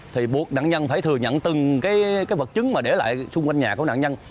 thì buộc nạn nhân phải thừa nhận từng cái vật chứng mà để lại xung quanh nhà của nạn nhân